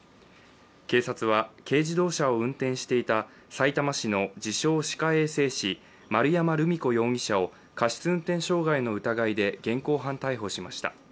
警察は、軽自動車を運転していたさいたま市の自称・歯科衛生士丸山留美子容疑者を、過失運転傷害の疑いで現行犯逮捕しました。